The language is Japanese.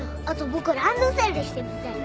僕ランドセルしてみたい。